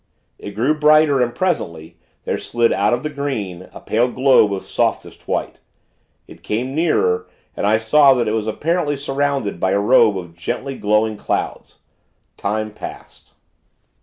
It grew brighter; and, presently, there slid out of the green, a pale globe of softest white. It came nearer, and I saw that it was apparently surrounded by a robe of gently glowing clouds. Time passed....